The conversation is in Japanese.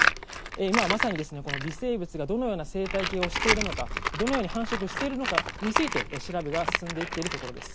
今はまさに微生物がどのような生態系をしているのかどのように繁殖しているのかについて調べが進んでいっています。